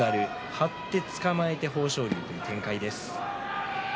張ってつかまえて豊昇龍という展開です。